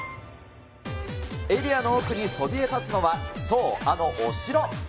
エリアの奥にそびえ立つのはそう、あのお城。